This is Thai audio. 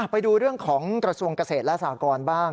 ไปดูเรื่องของกระทรวงเกษตรและสากรบ้าง